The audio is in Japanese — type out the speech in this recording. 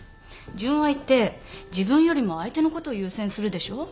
純愛って自分よりも相手のことを優先するでしょう？